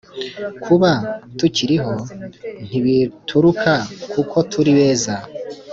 Kuba tukiriho ntibituruka kuko turi beza